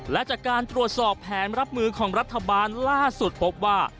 และจากการตรวจสอบแผนรับมือของรัฐบาลล่าสุดพบว่า